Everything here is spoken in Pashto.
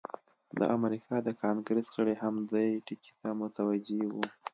د امریکا د کانګریس غړي هم دې ټکي ته متوجه وو.